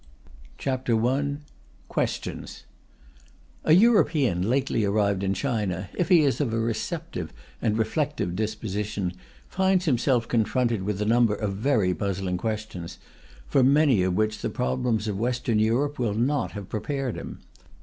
] The Problem of China CHAPTER I QUESTIONS A European lately arrived in China, if he is of a receptive and reflective disposition, finds himself confronted with a number of very puzzling questions, for many of which the problems of Western Europe will not have prepared him.